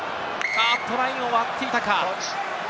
ラインを割っていたか？